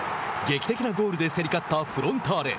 劇的なゴールで競り勝ったフロンターレ。